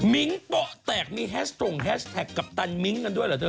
มิ้งโป๊ะแตกมีแฮชตรงแฮชแท็กกัปตันมิ้งกันด้วยเหรอเธอ